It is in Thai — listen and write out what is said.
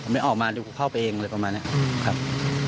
ไม่ออกมาเดี๋ยวกูเข้าไปเองอะไรประมาณนี้ครับ